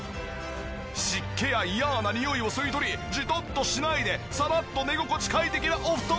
湿気や嫌なにおいを吸い取りじとっとしないでサラッと寝心地快適なお布団に！